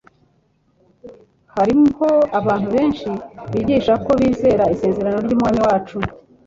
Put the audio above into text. Hariho abantu benshi bigisha ko bizera isezerano ry'Umwami wacu,